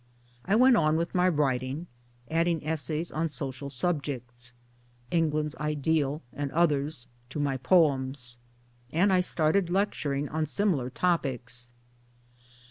I went on with my writing adding essays on social subjects (" England's Ideal " and others) to my poems ; and I started lecturing on similar topics.